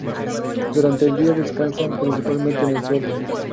Durante el día descansan, principalmente en el suelo.